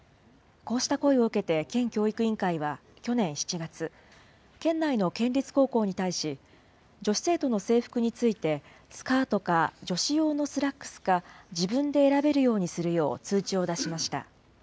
こうした声を受けて県教育委員会は、去年７月、県内の県立高校に対し、女子生徒の制服についてスカートか女子用のスラックスか、自分で選べるようにするよう通知を出しました。